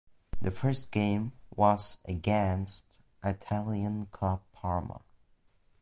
Their first game was against Italian club Parma.